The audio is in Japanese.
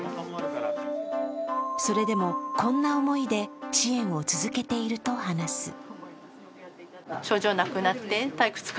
それでも、こんな思いで支援を続けていると話す。